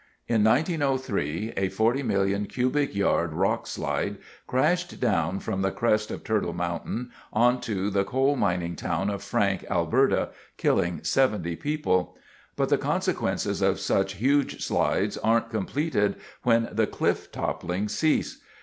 In 1903, a 40 million cubic yard rock slide crashed down from the crest of Turtle Mountain onto the coal mining town of Frank, Alberta, killing 70 people. But the consequences of such huge slides aren't completed when the cliff toppling ceases.